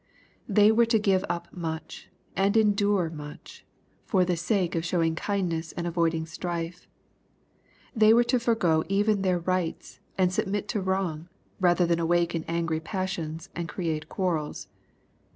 They were to give up much, and endur emuch, for the sake of showing kindness and avoiding strife. They were to forego even their rights, and submit to wrong, rather than awaken angry passions and create quarrels.